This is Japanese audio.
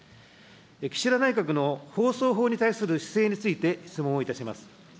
岸田内閣の放送法に対する姿勢について質問をいたします。